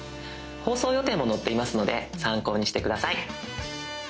放送予定も載っていますので参考にして下さい。